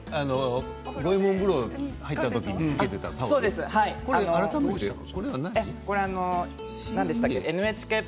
五右衛門風呂に入った時につけていた、それは何？